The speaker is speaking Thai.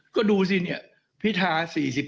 ก็ดูสิเนี่ยพิธา๔๔